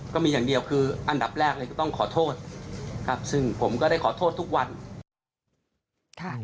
ก็มีอย่างเดียวคืออันดับแรกเลยก็ต้องขอโทษครับซึ่งผมก็ได้ขอโทษทุกวัน